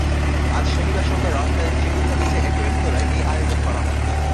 আজ শনিবার সন্ধ্যায় রাজধানীর সেগুনবাগিচায় এক রেস্তোরাঁয় এ আয়োজন করা হয়।